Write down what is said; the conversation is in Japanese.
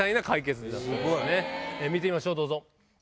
見てみましょうどうぞ。